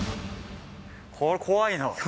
これ、怖いな。